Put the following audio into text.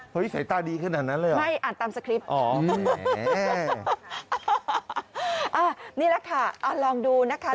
สายตาดีขนาดนั้นเลยเหรอไม่อ่านตามสคริปต์อ๋ออ่านี่แหละค่ะลองดูนะคะ